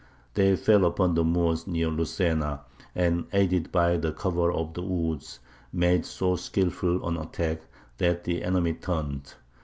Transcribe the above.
They fell upon the Moors near Lucena, and, aided by the cover of the woods, made so skilful an attack, that the enemy turned.